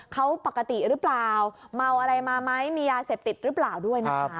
เขาปกติหรือเปล่าเมาอะไรมาไหมมียาเสพติดหรือเปล่าด้วยนะคะ